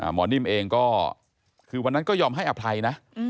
หมอนิ่มเองก็คือวันนั้นก็ยอมให้อภัยนะ